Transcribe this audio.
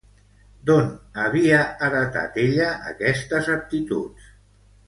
D'on havia heretat ella aquestes aptituds?